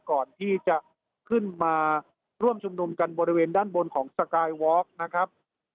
ก่อนที่จะขึ้นมาร่วมชุมนุมกันบริเวณด้านบนของสกายวอล์กนะครับ